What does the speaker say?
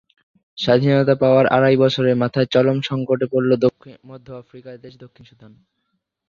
স্বাধীনতা পাওয়ার আড়াই বছরের মাথায় চরম সংকটে পড়ল মধ্য আফ্রিকার দেশ দক্ষিণ সুদান।